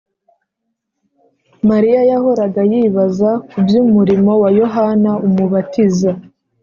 , Mariya yahoraga yibaza kuby’umurimo wa Yohana Umubatiza.